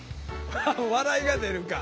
笑いが出るか。